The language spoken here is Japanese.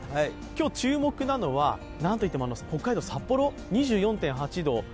今日、注目なのは何といっても北海道・札幌、２４．８度。